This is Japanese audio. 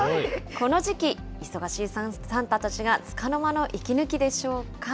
この時期、忙しいサンタたちがつかの間の息抜きでしょうか。